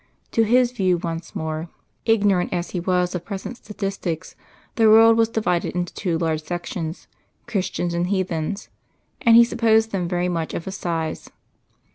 To his view once more, ignorant as he was of present statistics, the world was divided into two large sections, Christians and heathens, and he supposed them very much of a size.